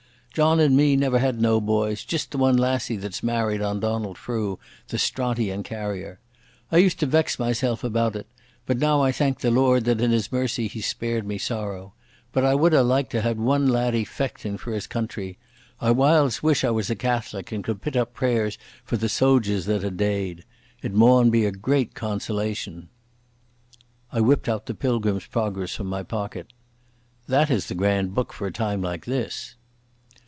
John and me never had no boys, jist the one lassie that's married on Donald Frew, the Strontian carrier. I used to vex mysel' about it, but now I thank the Lord that in His mercy He spared me sorrow. But I wad hae liked to have had one laddie fechtin' for his country. I whiles wish I was a Catholic and could pit up prayers for the sodgers that are deid. It maun be a great consolation." I whipped out the Pilgrim's Progress from my pocket. "That is the grand book for a time like this."